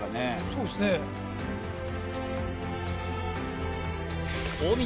そうですね大道